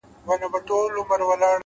فکرونه راتلونکی جوړوي,